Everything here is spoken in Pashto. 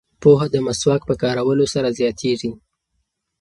پوهه د مسواک په کارولو سره زیاتیږي.